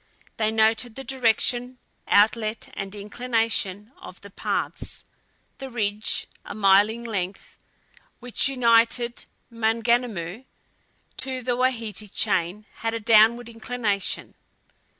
They noted the direction, outlet and inclination of the paths. The ridge, a mile in length, which united Maunganamu to the Wahiti chain had a downward inclination.